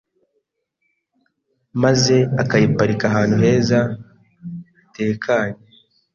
maze akayiparika ahantu heza hatekanye